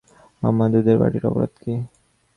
আমার দুধের বাটির অপরাধ কী?